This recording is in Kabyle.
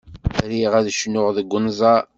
Riɣ ad cnuɣ deg unẓar.